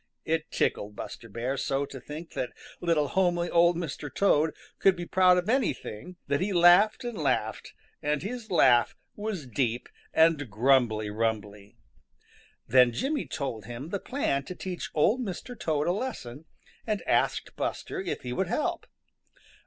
It tickled Buster Bear so to think that little homely Old Mr. Toad could be proud of anything that he laughed and laughed, and his laugh was deep and grumbly rumbly. Then Jimmy told him the plan to teach Old Mr. Toad a lesson and asked Buster if he would help.